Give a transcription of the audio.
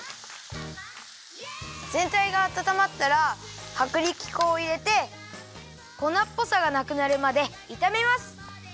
ぜんたいがあたたまったらはくりき粉をいれてこなっぽさがなくなるまでいためます。